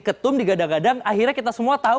ketum digadang gadang akhirnya kita semua tahu